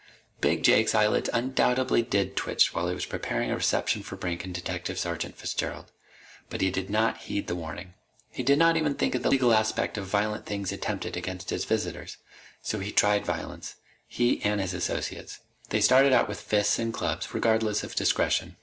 Big Jake's eyelids undoubtedly did twitch while he was preparing a reception for Brink and Detective Sergeant Fitzgerald. But he did not heed the warning. He did not even think of the legal aspect of violent things attempted against his visitors. So he tried violence he and his associates. They started out with fists and clubs, regardless of discretion.